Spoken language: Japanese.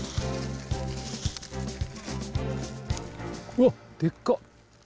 うわっでっか。